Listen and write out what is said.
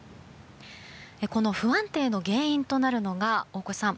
この不安定の原因となるのが大越さん